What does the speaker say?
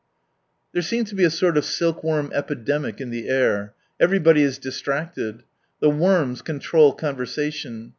... There seems to be a sort of silk worm epidemic in the air — everybody is distracted. The worms control conversation.